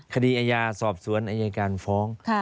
คดีอาญาสอบสวนอายการฟ้อง